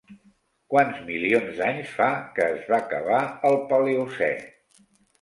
Quants milions d'anys fa que es va acabar el Paleocè?